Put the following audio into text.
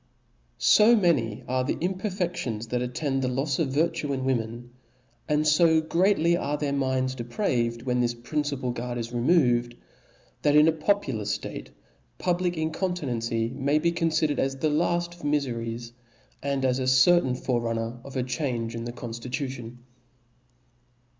O O many are the imperfedions that attend the *^ lofs of virtue in women, and fo greatly are their minds depraved, when this principal guard is re moved, that in a popular ftate public incontinency may be confidered as the laft of miferies, and as a certain fore runner of a change in the confli lution.